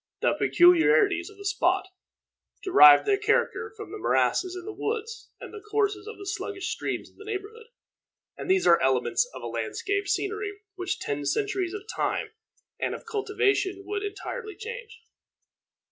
The peculiarities of the spot derived their character from the morasses and the woods, and the courses of the sluggish streams in the neighborhood, and these are elements of landscape scenery which ten centuries of time and of cultivation would entirely change.